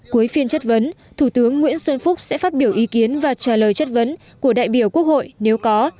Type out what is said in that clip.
cuối phiên chất vấn thủ tướng nguyễn xuân phúc sẽ phát biểu ý kiến và trả lời chất vấn của đại biểu quốc hội nếu có